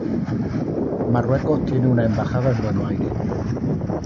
Marruecos tiene una embajada en Buenos Aires.